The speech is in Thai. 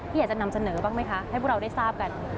อยากจะนำเสนอบ้างไหมคะให้พวกเราได้ทราบกัน